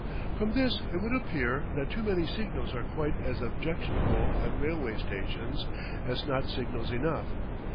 From this it would appear that too many signals are quite as objectionable at railway stations as not signals enough.